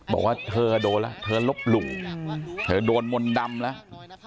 บอกว่าเธอโดนแล้วเธอลบหลู่เธอโดนมนต์ดำแล้ว